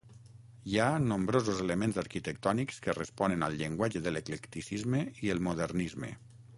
Hi ha nombrosos elements arquitectònics que responen al llenguatge de l'eclecticisme i el modernisme.